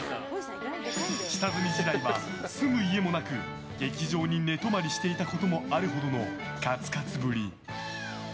下積み時代は住む家もなく劇場に寝泊まりしていたこともあるほどの、カツカツぶり。